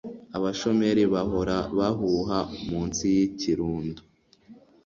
Abashomeri bahora bahuha munsi yikirundo.